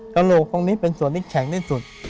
กระโหลกตรงนี้เป็นส่วนที่แข็งที่สุด